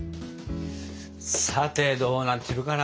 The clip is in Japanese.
さてどうなってるかな？